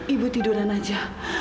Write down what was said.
ibu tiduran saja